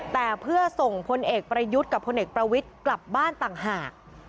แต่เพื่อส่งพลเอกประยุทธ์กับพลเอกประวิทย์กลับบ้านต่างหาก